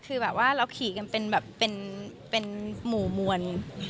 คือแบบว่าเราขี่กันเป็นแบบเป็นหมู่มวล